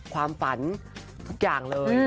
ความฝันทุกอย่างเลย